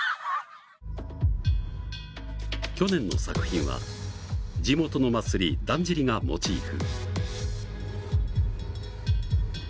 去年の作品は地元の祭りだんじりがモチーフ。